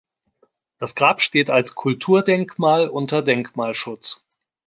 Das Grab steht als Kulturdenkmal unter Denkmalschutz.